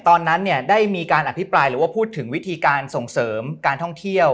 ตอนนั้นเนี่ยได้มีการอภิปรายหรือว่าพูดถึงวิธีการส่งเสริมการท่องเที่ยว